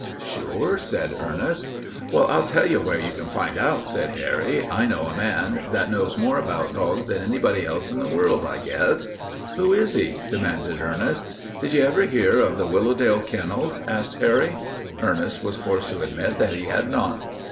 "Sure," said Ernest. "Well, I'll tell you where you can find out," said Harry. "I know a man that knows more about dogs than anybody else in the world, I guess." "Who is he?" demanded Ernest. "Did you ever hear of the Willowdale Kennels?" asked Harry. Ernest was forced to admit that he had not.